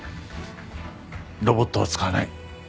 ロボットは使わない。